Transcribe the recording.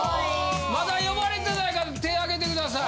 まだ呼ばれてない方手あげてください。